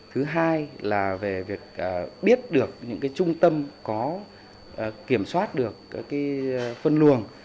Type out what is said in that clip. thứ hai là về việc biết được những trung tâm có kiểm soát được phân luồng